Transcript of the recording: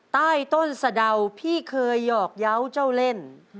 ใต้ต้นสะดาวพี่เคยหยอกเยาว์เจ้าเล่น